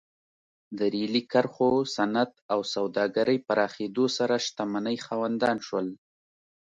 د ریلي کرښو، صنعت او سوداګرۍ پراخېدو سره شتمنۍ خاوندان شول.